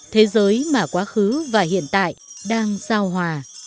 thế giới mà quá khứ và hiện tại đang giao hòa